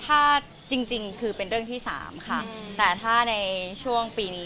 ถ้าที่จริงที่นี่คือเป็นที่๓ค่ะแต่ถ้าในช่วงปีนี้